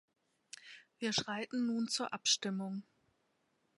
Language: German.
Wir schreiten nun zur Abstimmung.